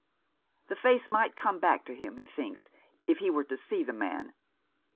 The face might come back to him, he thinks, if he were to see the man.